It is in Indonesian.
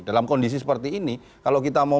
dalam kondisi seperti ini kalau kita mau